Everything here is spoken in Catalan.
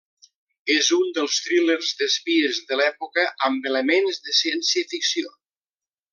És un dels thrillers d'espies de l'època amb elements de ciència-ficció.